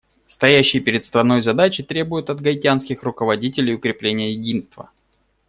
Стоящие перед страной задачи требуют от гаитянских руководителей укрепления единства.